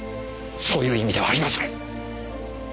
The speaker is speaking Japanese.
そういう意味ではありません！